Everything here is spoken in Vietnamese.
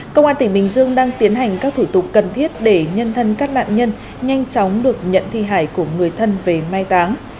công an tỉnh bình dương đang tiến hành các thủ tục cần thiết để nhân thân các nạn nhân nhanh chóng được nhận thi hài của người thân về mai táng